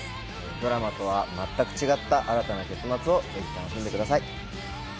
ドラマとは全く違った新たな結末をお楽しみください。